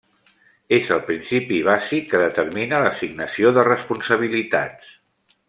És el principi bàsic que determina l'assignació de responsabilitats.